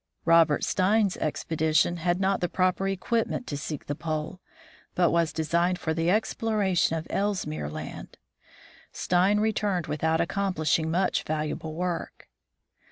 Robert Stein's expedition had not the proper equipment to seek the pole, but was designed for the exploration of Ellesmere land. Stein returned without accomplishing much valuable work.